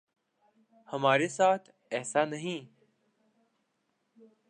ہمارے ساتھ ایسا نہیں۔